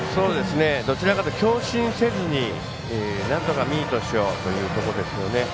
どちらかというと強振せずに、なんとかミートしようというところですよね。